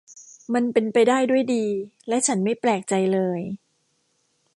มันเป็นไปได้ด้วยดี และฉันไม่แปลกใจเลย